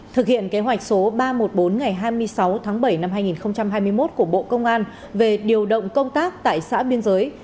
thực hiện kế hoạch số ba trăm một mươi bốn ngày hai mươi sáu tháng bảy năm hai nghìn hai mươi một của bộ công an về điều động công tác tại xã biên giới